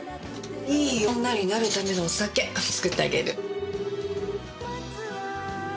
いい女になるためのお酒作ってあげる。